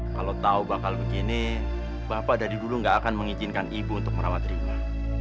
kalau tahu bakal begini bapak dari dulu nggak akan mengizinkan ibu untuk merawat riwa